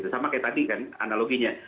sama kayak tadi kan analoginya